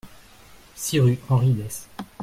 six rue Henri Dès